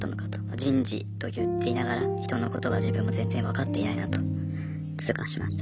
人事と言っていながら人のことが自分も全然分かっていないなと痛感しました。